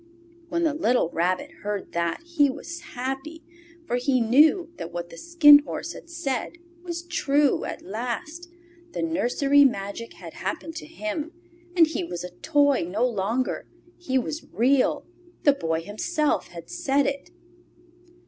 When the little Rabbit heard that he was happy, for he knew that what the Skin Horse had said was true at last. The nursery magic had happened to him, and he was a toy no longer. He was Real. The Boy himself had said it.